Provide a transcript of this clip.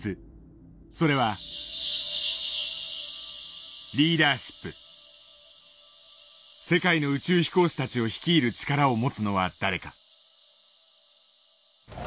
それは世界の宇宙飛行士たちを率いる力を持つのは誰か。